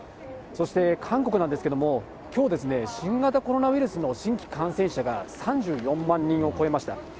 そして韓国なんですけども、きょうですね、新型コロナウイルスの新規感染者が３４万人を超えました。